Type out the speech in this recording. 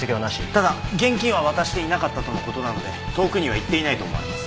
ただ現金は渡していなかったとの事なので遠くには行っていないと思われます。